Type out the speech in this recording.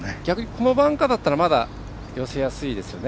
このバンカーだったらまだ、寄せやすいですよね。